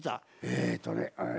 えとねえ。